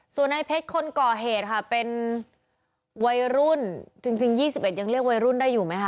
ส่วนในเพชรคนก่อเหตุค่ะเป็นวัยรุ่นจริง๒๑ยังเรียกวัยรุ่นได้อยู่ไหมค